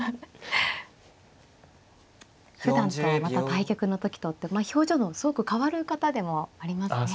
ふだんとまた対局の時とってまあ表情もすごく変わる方でもありますね。